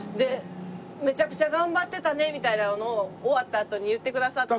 「めちゃくちゃ頑張ってたね」みたいなのを終わったあとに言ってくださって。